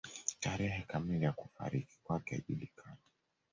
Tarehe kamili ya kufariki kwake haijulikani.